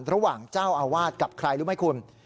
ระหว่างเจ้าอาวาสกับใครรู้ไหมคุณ